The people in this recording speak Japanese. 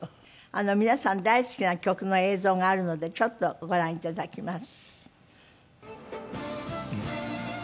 皆さん大好きな曲の映像があるのでちょっとご覧頂きます。